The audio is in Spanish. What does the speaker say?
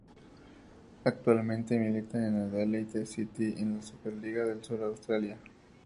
Actualmente milita en Adelaide City de la Super Liga del Sur de Australia.